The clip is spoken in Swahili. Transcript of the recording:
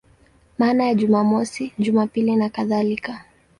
Maana ya Jumamosi, Jumapili nakadhalika.